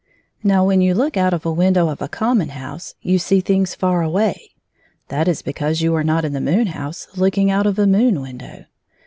Now, when you look out of a window of a com mon house, you see things far away. That is because you are not in the moon house looking out of a moon window.